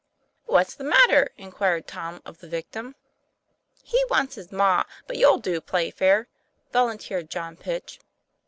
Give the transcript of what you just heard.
" What's the matter ?" inquired Tom of the victim. "He wants his ma, but you'll do, Playfair," vol unteered John Pitch.